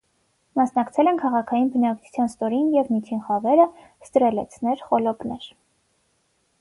Մասնակցել են քաղաքային բնակչության ստորին և միջին խավերը, ստրելեցներ, խոլոպներ։